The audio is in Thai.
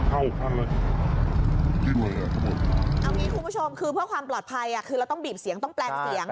เอางี้คุณผู้ชมคือเพื่อความปลอดภัยคือเราต้องบีบเสียงต้องแปลงเสียง